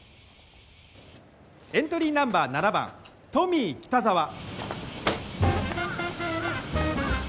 エントリーナンバー７番トミー北沢。